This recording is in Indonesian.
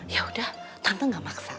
yaudah tante gak maksa